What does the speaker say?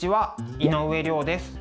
井上涼です。